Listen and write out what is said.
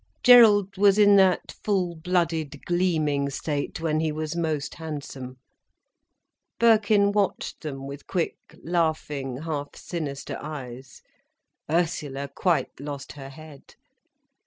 Gerald was in that full blooded, gleaming state when he was most handsome. Birkin watched them with quick, laughing, half sinister eyes, Ursula quite lost her head.